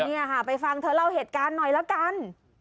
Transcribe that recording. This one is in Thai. เนี่ยค่ะไปฟังเธอเล่าเหตุการณ์หน่อยละกัน